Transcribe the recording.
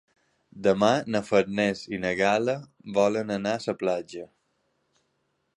Demà na Farners i na Gal·la volen anar a la platja.